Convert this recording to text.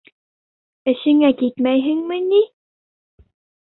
Эшеңә китмәйһеңме ни?!